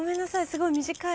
すごい短い。